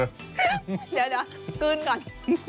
เดี๋ยวกลืนก่อน